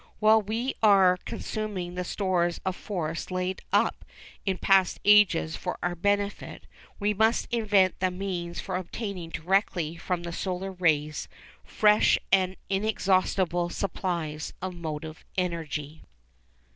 While we are consuming the stores of force laid up in past ages for our benefit, we must invent the means for obtaining directly from the solar rays fresh and inexhaustible supplies of motive energy.